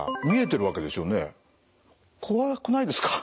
怖くないですか？